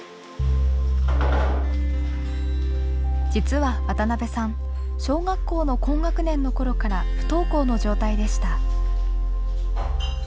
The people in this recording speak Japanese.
実は渡さん小学校の高学年の頃から不登校の状態でした。